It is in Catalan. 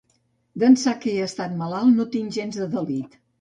D'ençà que he estat malalt no tinc gens de delit.